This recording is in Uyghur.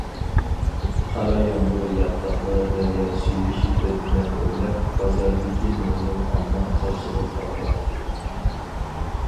قارا يامغۇر ياغقاندا دەريا سۈيى شىددەت بىلەن ئۆرلەپ، بازاردىكى نۇرغۇن ئامما قاپسىلىپ قالغانىدى.